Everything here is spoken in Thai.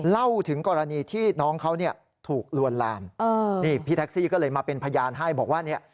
เล่าถึงกรณีที่น้องเขาเนี่ยถูกลวนลามนี่พี่แท็กซี่ก็เลยมาเป็นพยานให้บอกว่าเนี่ย